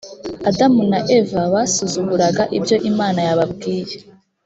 adamu na eva basuzuguraga ibyo imana yababwiye